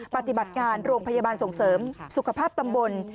ปฏิบัติการโรงพยาบาลส่งเสริมสุขภาพตำบล